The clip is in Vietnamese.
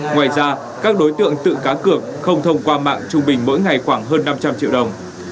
ngoài ra các đối tượng tự cá cược không thông qua mạng trung bình mỗi ngày khoảng hơn năm trăm linh triệu đồng